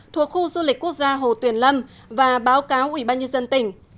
thuộc khu du lịch quốc gia hồ tuyền lâm và báo cáo ubnd tỉnh